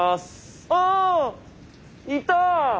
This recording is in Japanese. あいた！